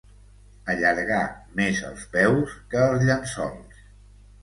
Allargar més els peus que els llençols.